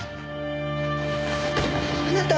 あなた？